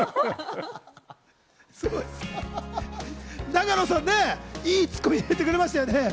永野さんね、いいツッコミ入れてくれましたよね。